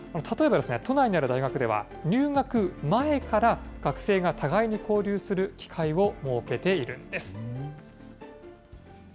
例えばですね、都内にある大学では、入学前から学生が互いに交流する機会を設けているんです。